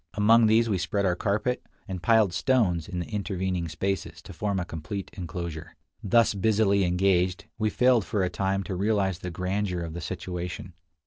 Among these we spread our carpet, and piled stones in the intervening spaces to form a complete inclosure. Thus busily engaged, we failed for a time to realize the grandeur of the situation.